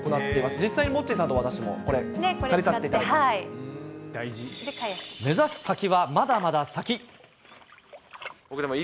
実際にモッチーさんと私もこれ、借りさせていただきまし目指す滝はまだまだ先。